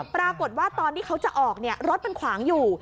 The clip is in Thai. ปรากฏว่าตอนที่เขาจะออกเนี่ยรถมันขวางอยู่